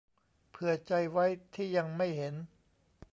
เผื่อใจไว้ที่ยังไม่เห็น